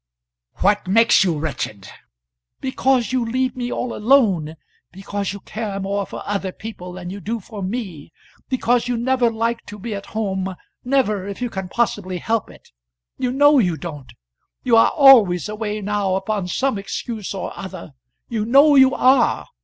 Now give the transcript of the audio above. "What makes you wretched?" "Because you leave me all alone; because you care more for other people than you do for me; because you never like to be at home, never if you can possibly help it. You know you don't. You are always away now upon some excuse or other; you know you are.